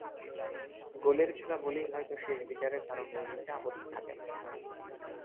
গোলের খেলা বলেই হয়তো শেষ বিচারে কারও মেনে নিতে আপত্তি থাকে না।